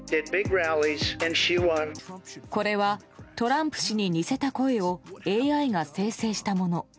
これはトランプ氏に似せた声をＡＩが生成したもの。